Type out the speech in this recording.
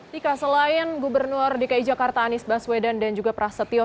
dika selain gubernur dki jakarta anies baswedan dan juga prasetyo